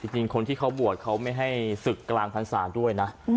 จริงคนที่เขาบวชเขาไม่ให้ศึกกลางพรรษาด้วยนะ